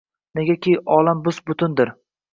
Negaki olam bus-butundir.